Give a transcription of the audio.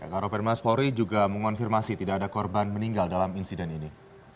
karopenmas polri juga mengonfirmasi tidak ada korban meninggal dalam insiden ini